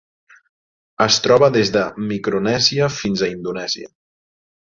Es troba des de Micronèsia fins a Indonèsia.